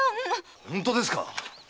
本当ですか